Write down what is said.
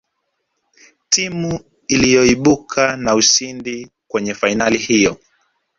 timu iliyoibuka na ushindi kwenye fainali hiyo